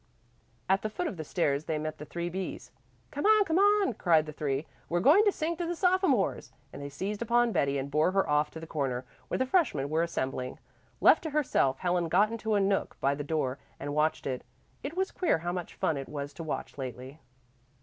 At the foot of the stairs they met the three B's. "Come on, come on," cried the three. "We're going to sing to the sophomores," and they seized upon Betty and bore her off to the corner where the freshmen were assembling. Left to herself Helen got into a nook by the door and watched. It was queer how much fun it was to watch, lately.